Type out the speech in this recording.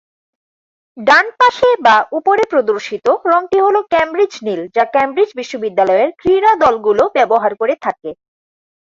ডানপাশে বা উপরে প্রদর্শিত রঙটি হলো ক্যামব্রিজ নীল যা ক্যামব্রিজ বিশ্ববিদ্যালয়ের ক্রীড়া দলগুলো ব্যবহার করে থাকে।